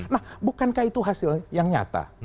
nah bukankah itu hasil yang nyata